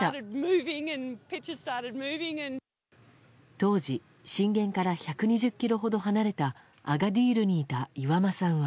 当時震源から１２０ｋｍほど離れたアガディールにいた岩間さんは。